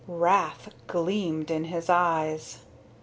Wrath gleamed in his eyes.